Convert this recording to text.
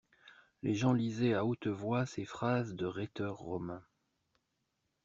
Les gens lisaient à haute voix ces phrases de rhéteurs romains.